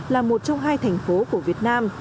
là một trong hai thành phố của việt nam